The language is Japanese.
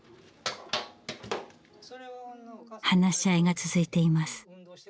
話し合いが続いています。